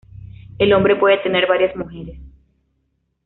El hombre puede tener varias mujeres.